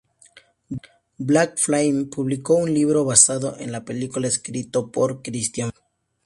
Black Flame publicó un libro basado en la película, escrito por Christa Faust.